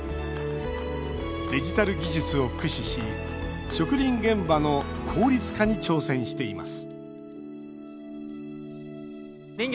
デジタル技術を駆使し植林現場の効率化に挑戦しています